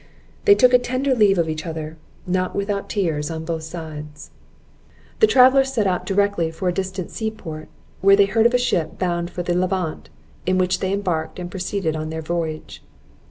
They took a tender leave of each other, not without tears on both sides. The travellers set out directly for a distant seaport where they heard of a ship bound for the Levant, in which they embarked and proceeded on their voyage.